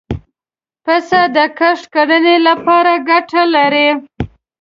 پسه د کښت کرنې له پاره ګټه لري.